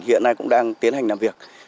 hiện nay cũng đang tiến hành làm việc